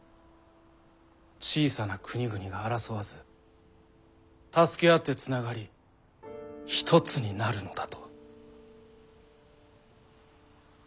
小さな国々が争わず助け合ってつながり一つになるのだと。